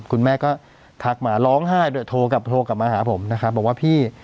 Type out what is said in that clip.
คุณแม่ก็ทักมาร้องไห้ด้วยโทรกลับโทรกลับมาหาผมนะครับบอกว่าพี่